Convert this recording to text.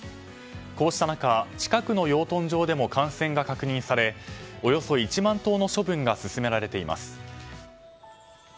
こうした中、近くの養豚場でも感染が確認されおよそ１万頭の処分が進められています。